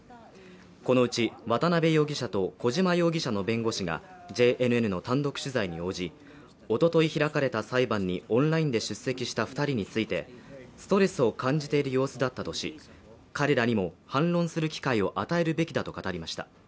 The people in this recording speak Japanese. このうち渡辺容疑者と小島容疑者の弁護士がＪＮＮの単独取材に応じおととい開かれた裁判にオンラインで出席した二人についてストレスを感じている様子だったとし彼らにも反論する機会を与えるべきだと語りました